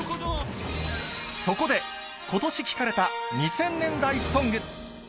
そこで、今年聴かれた２０００年代ソング。